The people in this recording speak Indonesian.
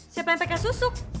siapa yang pake susuk